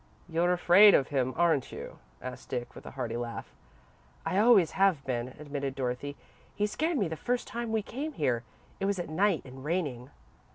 "You're afraid of him, aren't you?" asked Dick, with a hearty laugh. "I always have been," admitted Dorothy. "He scared me the first time we came here it was at night, and raining."